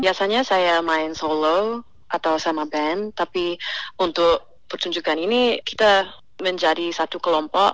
biasanya saya main solo atau sama band tapi untuk pertunjukan ini kita menjadi satu kelompok